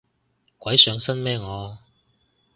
鬼上身咩我